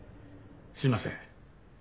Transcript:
すいません。